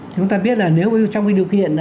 chúng ta biết là nếu trong những điều kiện